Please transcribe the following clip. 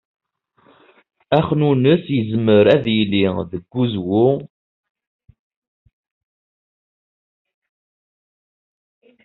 Axnunnes, yezmer ad yili deg uzwu, deg waman, deg lqaεa, deg yimeẓẓuɣen, deg wallen.